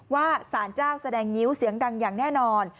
ว่าสารเจ้าแสดงงิ้วเสียงดังอย่างแน่นอน